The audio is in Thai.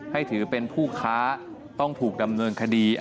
ให้ถือเป็นผู้ค้าต้องถูกดำเนินคดี